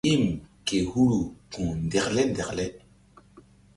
Yim ke huru ku̧h ndekle ndekle.